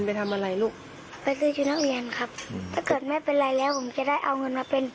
โอ้โหชื่นชมเนาะ